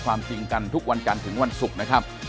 ความจริงกันทุกวันจันทร์ถึงวันศุกร์นะครับ